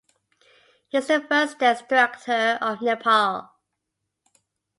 He is the first dance director of Nepal.